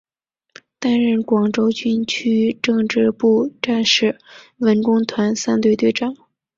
担任广州军区政治部战士文工团三队队长。